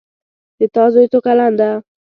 د تا زوی څو کلن ده